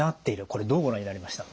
これどうご覧になりました？